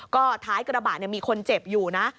ก็ท้ายกระบะมีคนเจ็บอยู่นะ